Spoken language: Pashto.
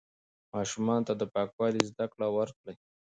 ماشومانو ته د پاکوالي زده کړه ورکړئ.